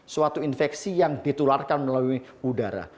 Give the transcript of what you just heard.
suatu infeksi yang ditularkan melalui udara